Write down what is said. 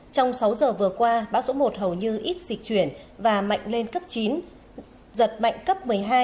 trong sáu giờ vừa qua bão số một hầu như ít dịch chuyển và mạnh lên cấp chín giật mạnh cấp một mươi hai